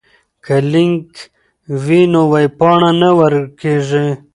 که لینک وي نو ویبپاڼه نه ورکیږي.